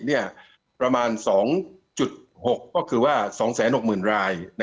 เนี่ยประมาณสองจุดหกก็คือว่าสองแสนหกหมื่นรายนะ